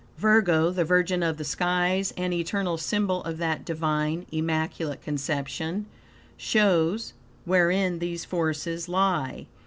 Virgo, the Virgin of the skies, and eternal symbol of that Divine, immaculate conception, shows wherein these forces lie.